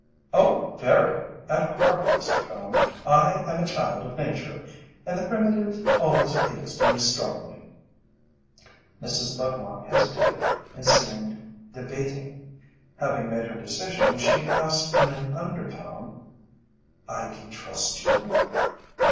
"Oh, very! At heart, Mr. Cone, I am a Child of Nature, and the primitive always appeals to me strongly," Mrs. Budlong hesitated and seemed debating. Having made her decision she asked in an undertone: "I can trust you?"